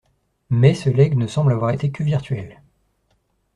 Mais ce legs ne semble avoir été que virtuel.